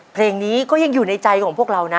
เพลงนี้ก็ยังอยู่ในใจของพวกเรานะ